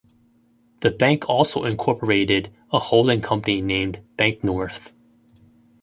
The bank also incorporated a holding company named Banknorth.